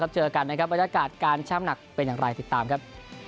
เจอกันนะครับบรรยากาศการช่ำหนักเป็นอย่างไรติดตามครับ